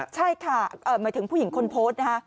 ใช่ค่ะเออหมายถึงผู้หญิงคนโพสต์